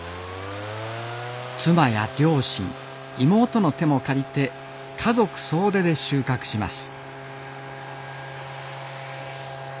妻や両親妹の手も借りて家族総出で収穫します